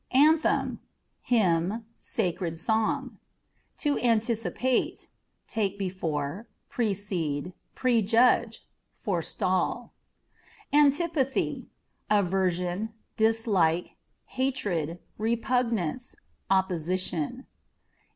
Anthem â€" hymn, sacred song. To Anticipate â€" take before, precede, prejudge ; forestall. Antipathy â€" aversion, dislike, hatred, repugnance, opposition.